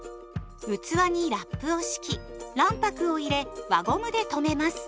器にラップを敷き卵白を入れ輪ゴムで留めます。